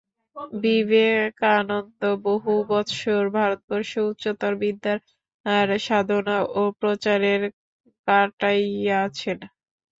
বিবে কানন্দ বহু বৎসর ভারতবর্ষে উচ্চতর বিদ্যার সাধনায় এবং প্রচারে কাটাইয়াছেন।